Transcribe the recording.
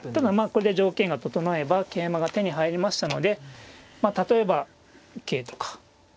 これで条件が整えば桂馬が手に入りましたので例えば桂とか。